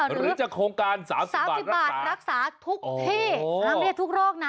หรือจะโครงการ๓๐บาทรักษาทุกที่ไม่ได้ทุกโรคนะ